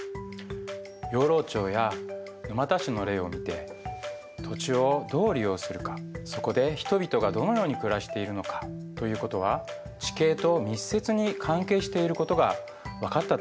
養老町や沼田市の例を見て土地をどう利用するかそこで人々がどのように暮らしているのかということは地形と密接に関係していることが分かったと思います。